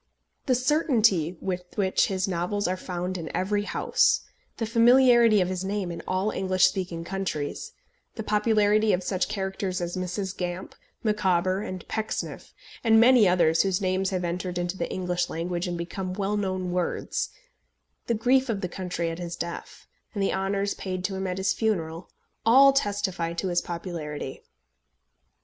The certainty with which his novels are found in every house the familiarity of his name in all English speaking countries the popularity of such characters as Mrs. Gamp, Micawber, and Pecksniff, and many others whose names have entered into the English language and become well known words the grief of the country at his death, and the honours paid to him at his funeral, all testify to his popularity.